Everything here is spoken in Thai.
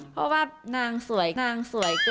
เพราะว่านางสวยนางสวย